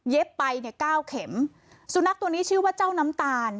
ไปเนี่ยเก้าเข็มสุนัขตัวนี้ชื่อว่าเจ้าน้ำตาล